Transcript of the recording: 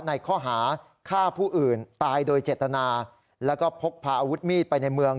ในข้อหาฆ่าผู้อื่นตายโดยเจตนาแล้วก็พกพาอาวุธมีดไปในเมือง